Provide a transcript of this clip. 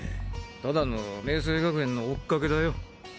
ただの明青学園の追っかけだよ。